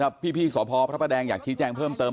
แล้วพี่สพพระประแดงอยากชี้แจงเพิ่มเติม